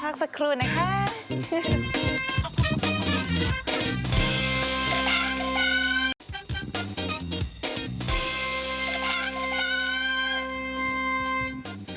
พักสักครู่นะคะ